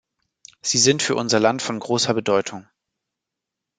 Sie sind für unser Land von großer Bedeutung.